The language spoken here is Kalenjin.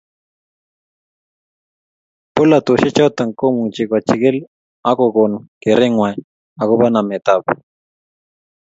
Bolatosiek choto komuchi kochigil ak kokon kerengwai agobo nametab